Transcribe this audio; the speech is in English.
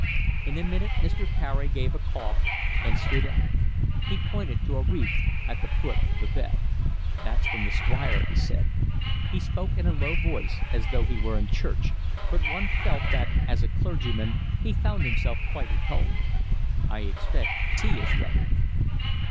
In a minute Mr. Carey gave a cough, and stood up. He pointed to a wreath at the foot of the bed. "That's from the Squire," he said. He spoke in a low voice as though he were in church, but one felt that, as a clergyman, he found himself quite at home. "I expect tea is ready."